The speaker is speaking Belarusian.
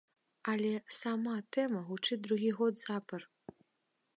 Але сама тэма гучыць другі год запар.